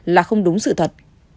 là không đúng sự thật